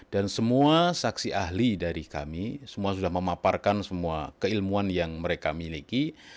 dan semua saksi ahli dari kami semua sudah memaparkan semua keilmuan yang mereka miliki